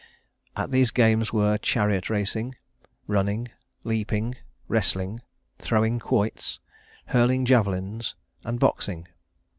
At these games were chariot racing, running, leaping, wrestling, throwing quoits, hurling javelins, and boxing.